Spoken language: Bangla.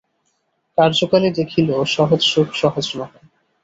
কার্যকালে দেখিল, সহজ সুখ সহজ নহে।